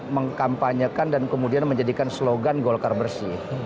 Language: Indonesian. mengkampanyekan dan kemudian menjadikan slogan golkar bersih